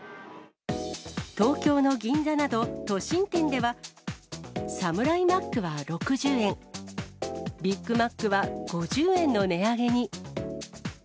東京の銀座など、都心店では、サムライマックは６０円、ビッグマックは５０円の値上げに。